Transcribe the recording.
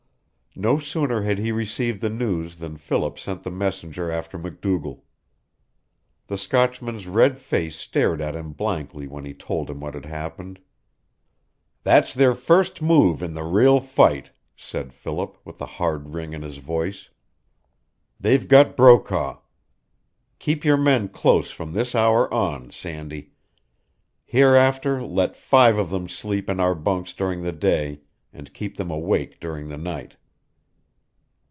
No sooner had he received the news than Philip sent the messenger after MacDougall. The Scotchman's red face stared at him blankly when he told him what had happened. "That's their first move in the real fight," said Philip, with a hard ring in his voice. "They've got Brokaw. Keep your men close from this hour on, Sandy. Hereafter let five of them sleep in our bunks during the day, and keep them awake during the night."